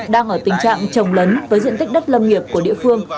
đang ở tình trạng trồng lấn với diện tích đất lâm nghiệp của địa phương